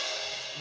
何？